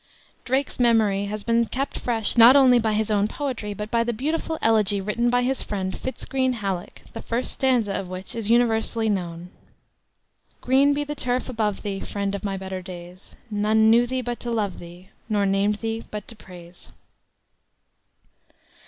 Drake's memory has been kept fresh not only by his own poetry, but by the beautiful elegy written by his friend Fitz Greene Halleck, the first stanza of which is universally known: "Green be the turf above thee, Friend of my better days; None knew thee but to love thee, Nor named thee but to praise."